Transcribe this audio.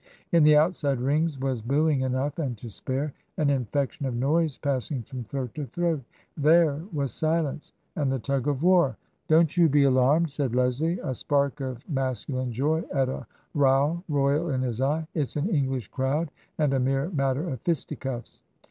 In the outside rings was " booing" enough and to spare, an infection of noise passing from throat to throat; there was silence and the tug of war. " Don't you be alarmed," said Leslie, a spark of mas culine joy at a row royal in his eye ;" it's an English crowd and a mere matter of fisticuffs."